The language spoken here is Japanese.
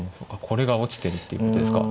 これが落ちてるっていうことですか。